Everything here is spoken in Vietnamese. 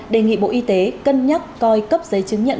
đề nghị bộ y tế cân nhắc coi cấp giấy chứng nhận